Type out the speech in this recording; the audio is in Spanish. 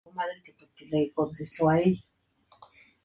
Publicaciones del Museo de Historia Natural Javier Prado.